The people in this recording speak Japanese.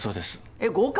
えっ合格？